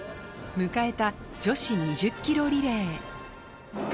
迎えた女子２０キロリレー。